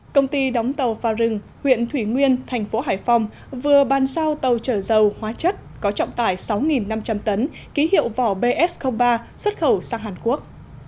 công ty đóng tàu pha rừng huyện thủy nguyên thành phố hải phòng vừa ban sao tàu trở dầu hóa chất có trọng tải sáu năm trăm linh tấn ký hiệu vỏ bs ba xuất khẩu sang hàn quốc